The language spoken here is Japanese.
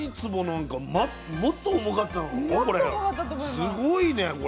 すごいねこれ。